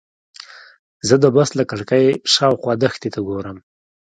زه د بس له کړکۍ شاوخوا دښتې ته ګورم.